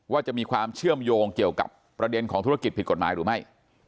จะมีความเชื่อมโยงเกี่ยวกับประเด็นของธุรกิจผิดกฎหมายหรือไม่